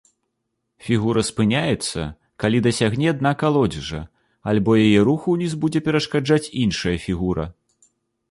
Фігура спыняецца, калі дасягне дна калодзежа, альбо яе руху ўніз будзе перашкаджаць іншая фігура.